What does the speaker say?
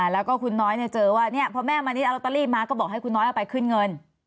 แล้วก็คุณน้อยเจอว่าพอแม่มณิชเอาลอตเตอรี่มาก็บอกให้คุณน้อยเอาไปขึ้นเงิน